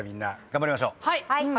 頑張りましょう。